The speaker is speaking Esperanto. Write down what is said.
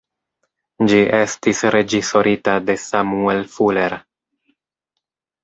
Ĝi estis reĝisorita de Samuel Fuller.